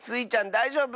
だいじょうぶ？